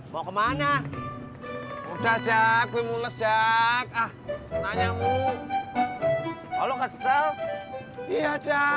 mau kemana udah jahat mulut jahat ah nanya mulu kalau kesel iya